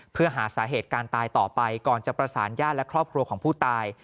เพื่อหาสาเหตุการตายต่อไปก่อนจะประสานญาติและครอบครัวของผู้ตาย